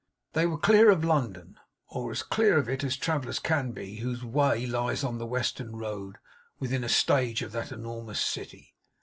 They were clear of London, or as clear of it as travellers can be whose way lies on the Western Road, within a stage of that enormous city.